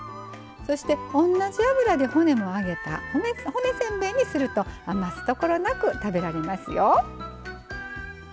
そして、同じ油で骨も揚げた骨せんべいにすると余すところなく食べられますよ。